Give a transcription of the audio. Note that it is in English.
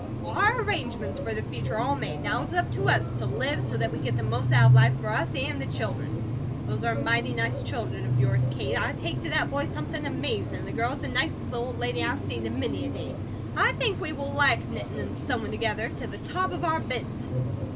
Our arrangements for the future are all made. Now it's up to us to live so that we get the most out of life for us an' the children. Those are mighty nice children of yours, Kate. I take to that boy something amazin', and the girl is the nicest little old lady I've seen in many a day. I think we will like knittin' and sewin' together, to the top of our bent."